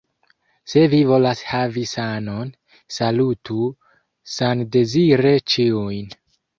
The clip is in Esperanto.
Se vi volas havi sanon, salutu sandezire ĉiujn.